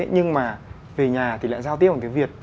nhưng mà về nhà thì lại giao tiếp bằng tiếng việt